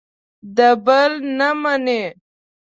د بل نه مني.